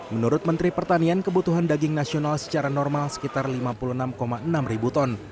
menurut menteri pertanian kebutuhan daging nasional secara normal sekitar lima puluh enam enam ribu ton